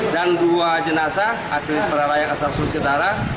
dan dua jenazah atlet perarayan asal sulawesi utara